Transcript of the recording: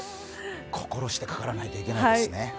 心してかからないといけないですね。